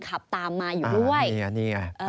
ขับตามมาอยู่ด้วย